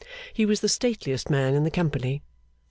He was the stateliest man in the company.